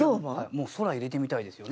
もう「空」入れてみたいですよね。